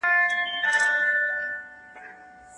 روغ ژوند د پوهې غوښتنه کوي.